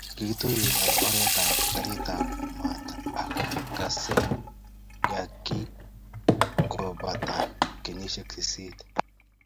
kikituiyo oret ab garit ab maat ak Kasese yekingopata kenyishek sisit